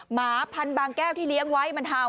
หมาพันบางแก้วที่เลี้ยงไว้มันเห่า